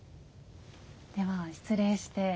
では失礼して。